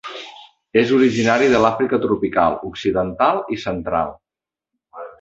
És originari de l'Àfrica tropical occidental i central.